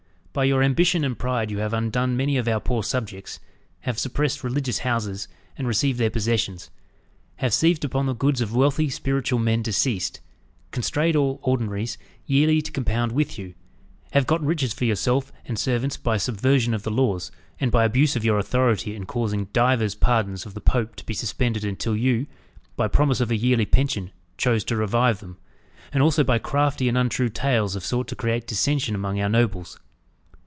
By your ambition and pride you have undone many of our poor subjects; have suppressed religious houses, and received their possessions; have seized upon the goods of wealthy spiritual men deceased; constrained all ordinaries yearly to compound with you; have gotten riches for yourself and servants by subversion of the laws, and by abuse of your authority in causing divers pardons of the Pope to be suspended until you, by promise of a yearly pension, chose to revive them; and also by crafty and untrue tales have sought to create dissention among our nobles."